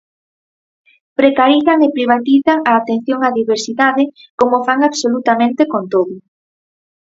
Precarizan e privatizan a atención á diversidade como fan absolutamente con todo.